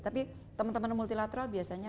tapi teman teman multilateral biasanya